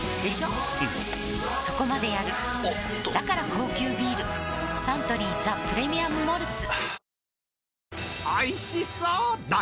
うんそこまでやるおっとだから高級ビールサントリー「ザ・プレミアム・モルツ」